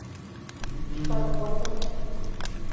Шкат возо.